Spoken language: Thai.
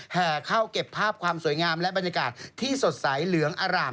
แห่เข้าเก็บภาพความสวยงามและบรรยากาศที่สดใสเหลืองอร่าม